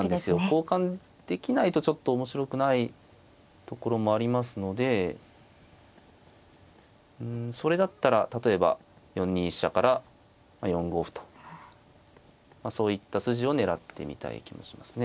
交換できないとちょっと面白くないところもありますのでうんそれだったら例えば４二飛車から４五歩とそういった筋を狙ってみたい気もしますね。